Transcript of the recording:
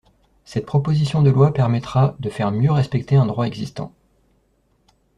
Cette proposition de loi permettra de faire mieux respecter un droit existant.